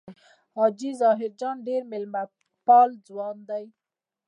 حاجي ظاهر جان ډېر مېلمه پال ځوان دی.